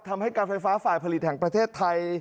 ทำให้การไฟฟ้าฝ่ายผลิตแห่งประเทศไทย